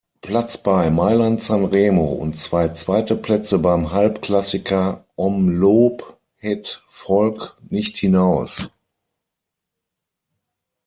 Platz bei Mailand–Sanremo und zwei zweite Plätze beim Halb-Klassiker Omloop Het Volk nicht hinaus.